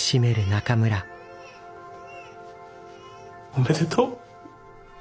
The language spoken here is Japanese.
おめでとう。